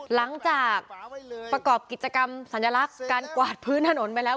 หลังจากประกอบกิจกรรมสัญลักษณ์การกวาดพื้นถนนไปแล้ว